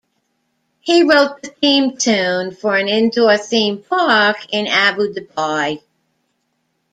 He wrote the theme tune for an indoor theme park in Abu Dhabi.